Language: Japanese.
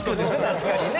確かにね